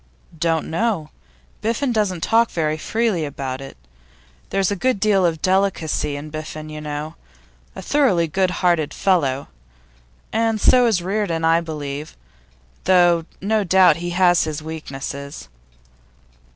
'Don't know. Biffen doesn't talk very freely about it; there's a good deal of delicacy in Biffen, you know. A thoroughly good hearted fellow. And so is Reardon, I believe, though no doubt he has his weaknesses.